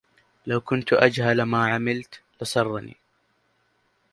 لو كنت أجهل ما علمت لسرني